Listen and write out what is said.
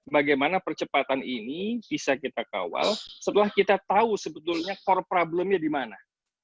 bagaimana percepatan ini bisa kita kawal setelah kita tahu sebetulnya core problemnya di mana